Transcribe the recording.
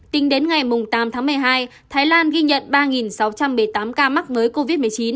tính đến ngày tám tháng một mươi hai thái lan ghi nhận ba sáu trăm một mươi tám ca mắc mới covid một mươi chín